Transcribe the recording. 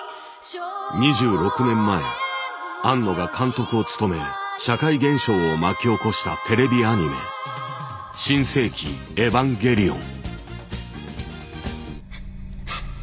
２６年前庵野が監督を務め社会現象を巻き起こしたテレビアニメ「新世紀エヴァンゲリオン」。